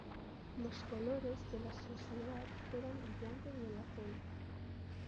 Los colores de la sociedad eran el blanco y el azul.